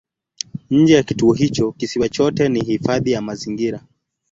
Nje ya kituo hicho kisiwa chote ni hifadhi ya mazingira.